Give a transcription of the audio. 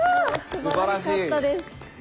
すばらしかったです。